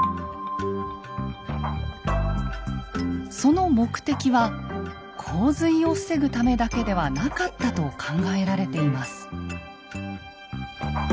その目的は洪水を防ぐためだけではなかったと考えられています。